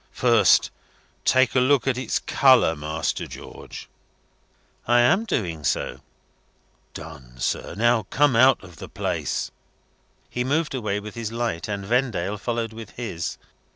First, take a look at its colour, Master George." "I am doing so." "Done, sir. Now, come out of the place." He moved away with his light, and Vendale followed with his.